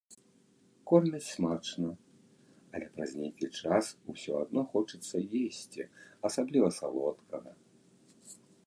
Кормяць смачна, але праз нейкі час усё адно хочацца есці, асабліва салодкага.